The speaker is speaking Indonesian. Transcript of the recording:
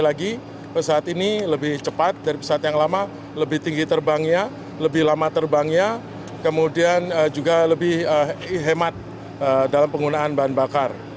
lebih lama terbangnya kemudian juga lebih hemat dalam penggunaan bahan bakar